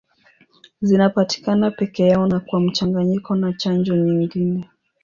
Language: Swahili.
Zinapatikana peke yao na kwa mchanganyiko na chanjo nyingine.